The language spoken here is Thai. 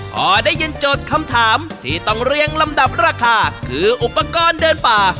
พอได้ยินโจทย์คำถามที่ต้องเรียงลำดับราคาคืออุปกรณ์เดินป่า